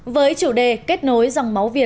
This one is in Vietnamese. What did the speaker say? với chủ đề kết nối dòng máu